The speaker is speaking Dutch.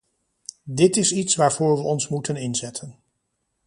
Dit is iets waarvoor we ons moeten inzetten.